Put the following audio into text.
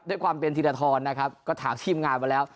ด้วยความเป็นธีรทรนะครับก็ถามทีมงานมาแล้ว